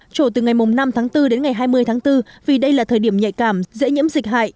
trổ từ ngày năm tháng bốn đến ngày hai mươi tháng bốn vì đây là thời điểm nhạy cảm dễ nhiễm dịch hại